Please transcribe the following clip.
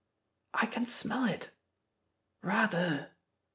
"I can smell it!" "Rather!"